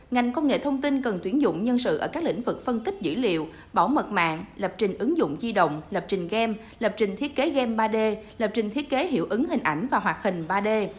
ngành công nghệ thông tin cần tuyển dụng nhân sự ở các lĩnh vực phân tích dữ liệu bảo mật mạng lập trình ứng dụng di động lập trình game lập trình thiết kế game ba d lập trình thiết kế hiệu ứng hình ảnh và hoạt hình ba d